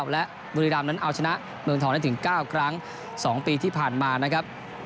และบุรีรามนั้นเอาชนะเมืองทองได้ถึง๙ครั้ง๒ปีที่ผ่านมานะครับ